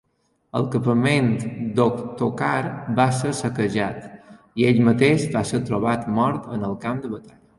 El campament d'Ottokar va ser saquejat, i ell mateix va ser trobat mort en el camp de batalla.